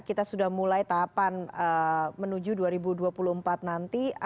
kita sudah mulai tahapan menuju dua ribu dua puluh empat nanti